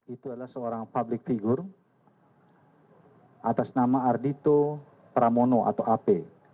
itu adalah seorang public figure atas nama ardhito pramono atau ap